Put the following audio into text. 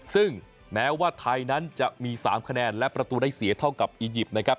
ซึ่งแม้ว่าไทยนั้นจะมี๓คะแนนและประตูได้เสียเท่ากับอียิปต์นะครับ